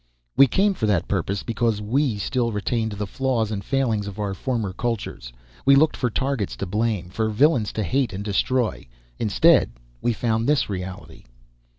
"We came for that purpose. Because we still retained the flaws and failings of our former cultures. We looked for targets to blame, for villains to hate and destroy. Instead, we found this reality.